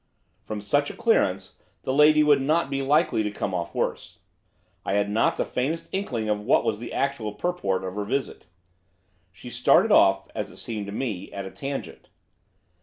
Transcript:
From such a clearance the lady would not be likely to come off worst. I had not the faintest inkling of what was the actual purport of her visit. She started off, as it seemed to me, at a tangent.